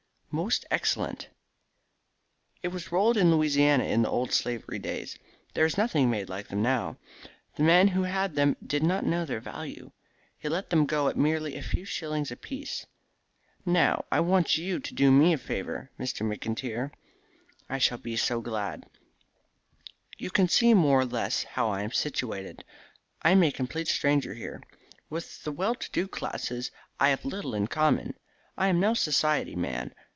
"Most excellent." "It was rolled in Louisiana in the old slavery days. There is nothing made like them now. The man who had them did not know their value. He let them go at merely a few shillings apiece. Now I want you to do me a favour, Mr. McIntyre." "I shall be so glad." "You can see more or less how I am situated. I am a complete stranger here. With the well to do classes I have little in common. I am no society man.